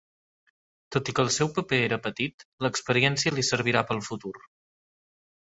Tot i que el seu paper era petit, l'experiència li serviria pel futur.